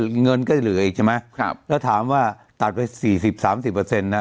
เงินก็จะเหลืออีกใช่ไหมครับแล้วถามว่าตัดไปสี่สิบสามสิบเปอร์เซ็นต์นะ